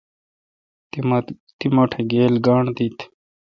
تی مٹھ گیل گانٹھ دیت؟